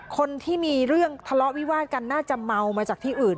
คนที่มีเรื่องทะเลาะวิวาดกันน่าจะเมามาจากที่อื่น